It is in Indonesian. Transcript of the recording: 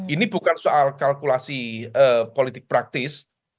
ini bukan soal kalkulasi politik praktis